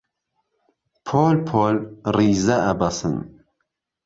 پۆل پۆل ڕیزە ئەبەسن